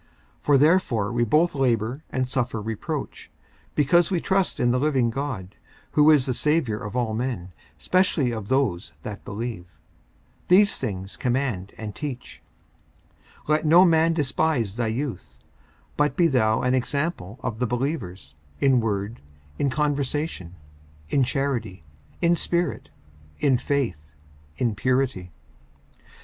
54:004:010 For therefore we both labour and suffer reproach, because we trust in the living God, who is the Saviour of all men, specially of those that believe. 54:004:011 These things command and teach. 54:004:012 Let no man despise thy youth; but be thou an example of the believers, in word, in conversation, in charity, in spirit, in faith, in purity.